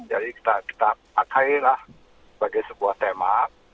jadi kita pakailah sebagai sebuah tema